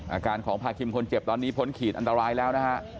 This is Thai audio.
อาการของภาคิมคนเจ็ดตอนนี้ผลขีดอันตรายแล้ว